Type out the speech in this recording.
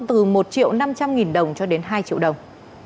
từ một triệu năm trăm linh nghìn đồng cho đến hai triệu đồng